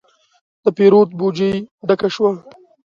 د پیرود بوجي ډکه شوه.